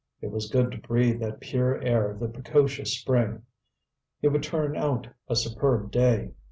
It was good to breathe that pure air of the precocious spring. It would turn out a superb day.